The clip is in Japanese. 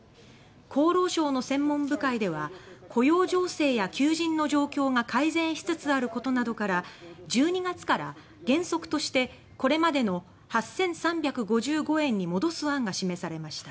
厚労省の専門部会では雇用情勢や求人の状況が改善しつつあることなどから１２月から原則としてこれまでの８３５５円に戻す案が示されました。